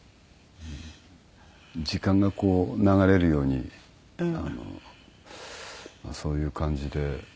時間がこう流れるようにそういう感じで。